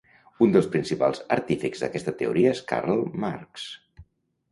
Un dels principals artífexs d'aquesta teoria és Karl Marx.